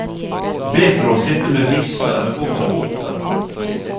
Betre å sitte med vissa enn gå med håpet